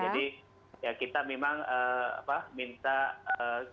jadi kita memang minta ke semua